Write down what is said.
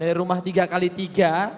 dari rumah tiga x tiga